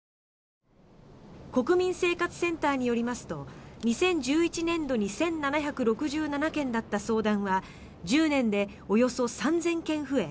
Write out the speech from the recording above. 国民生活センターによりますと２０１１年度に１７６７件だった相談は１０年でおよそ３０００件増え